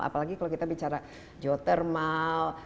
apalagi kalau kita bicara geothermal